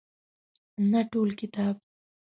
نه ټول کتاب.